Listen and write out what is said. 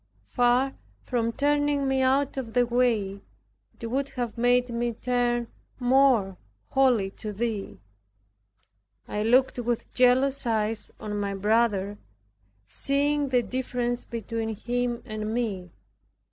Far from turning me out of the way, it would have made me turn more wholly to Thee. I looked with jealous eyes on my brother, seeing the difference between him and me.